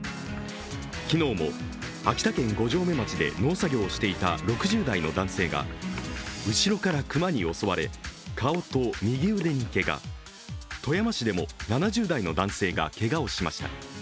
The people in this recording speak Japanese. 昨日も秋田県五城目町で農作業をしていた６０代の男性が後ろから熊に襲われ顔と右腕にけが、富山市でも７０代の男性がけがをしました。